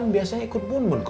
balik aja bu buy nia